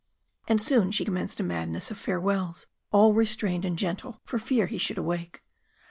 And soon she commenced a madness of farewells all restrained and gentle for fear he should awake.